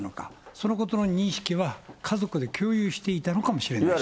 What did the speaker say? そのことの認識は、家族で共有していたのかもしれないし。